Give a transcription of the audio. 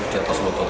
di atas lutut